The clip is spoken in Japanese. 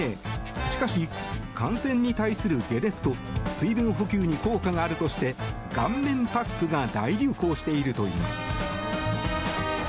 しかし、感染に対する解熱と水分補給に効果があるとして顔面パックが大流行しているといいます。